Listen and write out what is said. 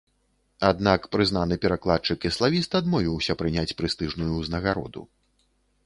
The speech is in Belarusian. Аднак прызнаны перакладчык і славіст адмовіўся прыняць прэстыжную ўзнагароду.